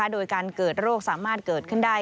โดยการเกิดโรคสามารถเกิดขึ้นได้